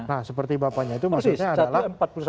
nah seperti bapaknya itu maksudnya adalah